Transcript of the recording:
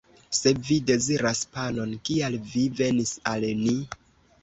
Se vi deziras panon, kial vi venis al ni?